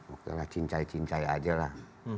oke lah cincai cincai aja lah